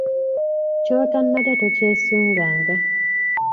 Ky’otannalya tokyusunganga.